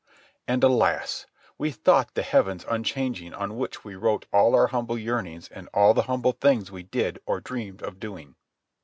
And, alas! we thought the heavens unchanging on which we wrote all our humble yearnings and all the humble things we did or dreamed of doing.